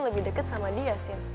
lebih dekat sama dia sih